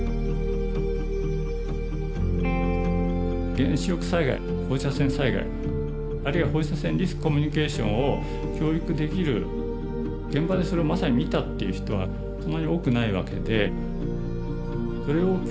原子力災害放射線災害あるいは放射線リスクコミュニケーションを教育できる現場でそれをまさに見たっていう人はそんなに多くないわけで。